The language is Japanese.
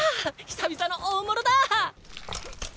久々の大物だー！